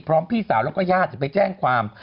พร้อมพี่สาวแล้วก็ญาติไปแจ้งความ